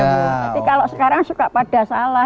nanti kalau sekarang suka pada salah